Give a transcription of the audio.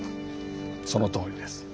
そのとおりです。